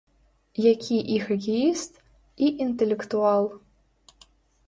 Які і хакеіст, і інтэлектуал.